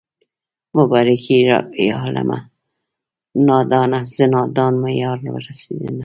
مبارکي راکړئ عالمه نادانه زه نادان مې يار ورسېدنه